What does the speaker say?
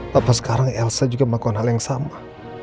bapak sekarang elsa juga melakukan hal yang sama